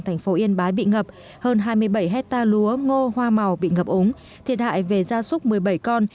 thành phố yên bái bị ngập hơn hai mươi bảy hectare lúa ngô hoa màu bị ngập úng thiệt hại về gia súc một mươi bảy con